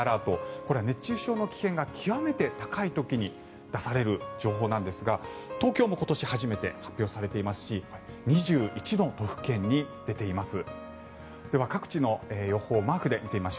これは熱中症の危険が極めて高い時に出される情報なんですが東京も今年初めて発表されていますし２１の都府県に出ています。